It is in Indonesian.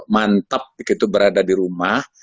mantap begitu berada di rumah